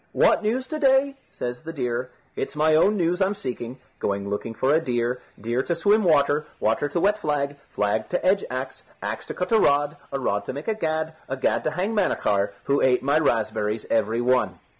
"What news to day?" says the deer. "It's my own news I'm seeking. Going looking for a deer, deer to swim water, water to wet flag, flag to edge axe, axe to cut a rod, a rod to make a gad, a gad to hang Manachar, who ate my raspberries every one."